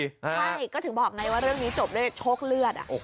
ใช่ก็ถึงบอกไงว่าเรื่องนี้จบด้วยโชคเลือด